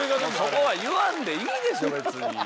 そこは言わんでいいでしょ別に。